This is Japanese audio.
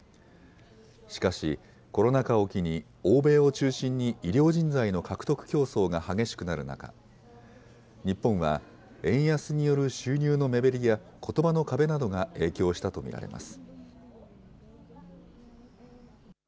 しかし、コロナ禍を機に、欧米を中心に医療人材の獲得競争が激しくなる中、日本は円安による収入の目減りやことばの壁などが影響したと見られます。